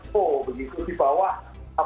begitu di bawah apa ini koordinasi menko polhukam